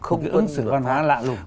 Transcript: ứng xử văn hóa lạ lùng